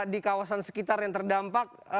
di kawasan sekitar yang terdampak